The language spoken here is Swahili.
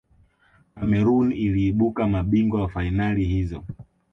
cameroon iliibuka mabingwa wa fainali hizo